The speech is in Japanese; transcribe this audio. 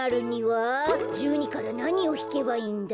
１２からなにをひけばいいんだ？